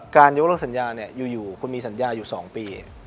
ยกเลิกสัญญาอยู่คุณมีสัญญาอยู่๒ปี